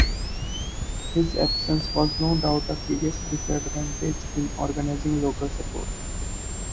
His absence was no doubt a serious disadvantage in organising local support.